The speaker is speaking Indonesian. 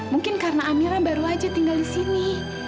mungkin karena amira baru aja tinggal di sini